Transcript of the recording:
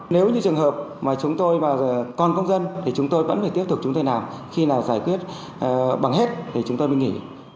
nếu như trường hợp mà chúng tôi mà còn công dân thì chúng tôi vẫn phải tiếp tục chúng tôi làm khi nào giải quyết bằng hết thì chúng tôi mới nghỉ